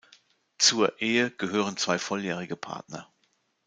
Zur Ehe gehören zwei volljährige Partner.